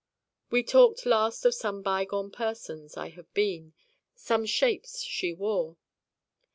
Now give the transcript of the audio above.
We talked last of some bygone persons I have been, some shapes she wore.